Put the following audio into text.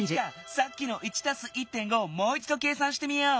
さっきの「１＋１．５」をもういちど計算してみよう。